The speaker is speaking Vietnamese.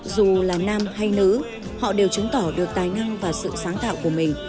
dù là nam hay nữ họ đều chứng tỏ được tài năng và sự sáng tạo của mình